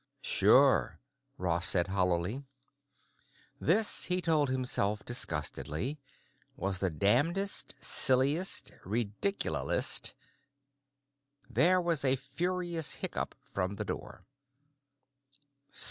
"Sure," Ross said hollowly. This, he told himself disgustedly, was the damnedest, silliest, ridiculousest.... There was a furious hiccup from the door.